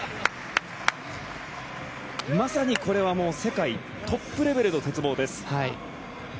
まさにこれは世界トップレベルの鉄棒です。